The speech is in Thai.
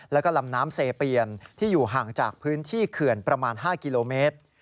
แล้วก็ลำน้ำเซเปียนที่อยู่ห่างจากพื้นที่เขื่อนประมาณ๕กิโลเมตร